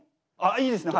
いいですね。